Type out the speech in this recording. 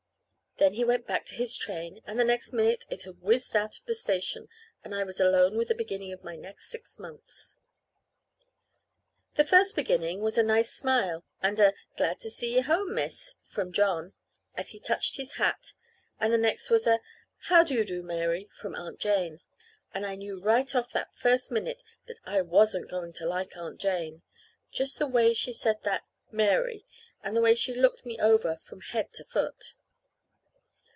Then he went back to his train, and the next minute it had whizzed out of the station, and I was alone with the beginning of my next six months. The first beginning was a nice smile, and a "Glad to see ye home, Miss," from John, as he touched his hat, and the next was a "How do you do, Mary?" from Aunt Jane. And I knew right off that first minute that I wasn't going to like Aunt Jane just the way she said that "Mary," and the way she looked me over from head to foot.